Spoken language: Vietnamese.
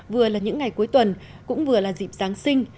vừa là những ngày cuối tuần cũng vừa là dịp giáng sinh